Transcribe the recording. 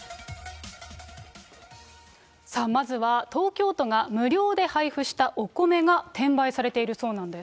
さあ、まずは東京都が無料で配布したお米が転売されているそうなんです。